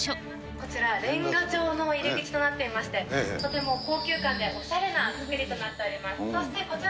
こちら、レンガ調の入り口となっていまして、とても高級感でおしゃれな造りとなっております。